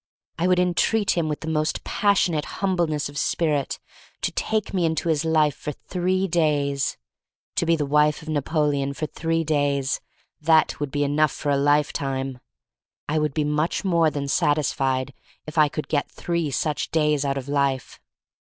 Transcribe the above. I would entreat him with the most passionate humbleness of spirit to take me into his life for three days. To be the wife of Napoleon for three days — that would be enough for a life time! I would be much more than satisfied if I could get three such days out of life.